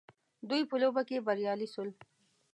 دوی په لوبه کي بريالي سول